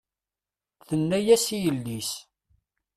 Thenna-yas i yelli-s.